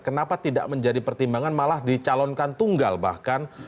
kenapa tidak menjadi pertimbangan malah dicalonkan tunggal bahkan